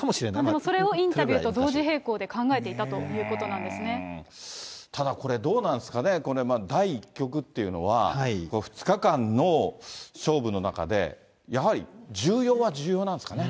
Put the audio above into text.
それをインタビューと同時並行で考えていたということなんでただこれ、どうなんですかね、これ、第１局っていうのは、２日間の勝負の中で、やはり重要は重要なんですかね。